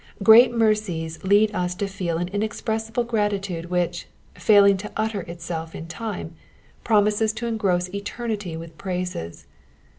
Great mercies lead us to feel an inexpressible gratitude which,' failing to utter itself in time, promises to engross eternity with praises.